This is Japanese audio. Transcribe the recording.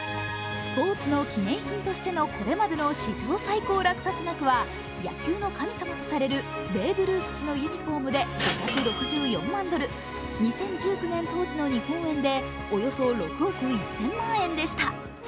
スポーツの記念品としてのこれまでの史上最高落札額は野球の神様とされるベーブ・ルースのユニフォームで５６４万ドル、２０１９年当時の日本円でおよそ６億１０００万円でした。